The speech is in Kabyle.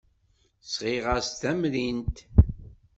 Sɣiɣ-as-d tamrint.